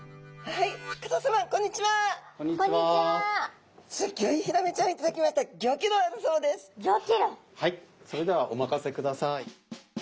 はいそれではお任せください。